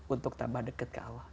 untuk tambah deket ke allah